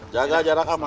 jaga jarak aman